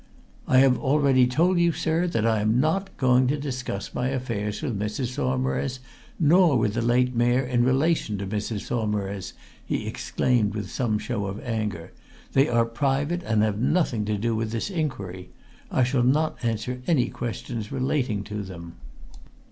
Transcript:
"I have already told you, sir, that I am not going to discuss my affairs with Mrs. Saumarez nor with the late Mayor in relation to Mrs. Saumarez!" he exclaimed with some show of anger. "They are private and have nothing to do with this inquiry. I shall not answer any question relating to them."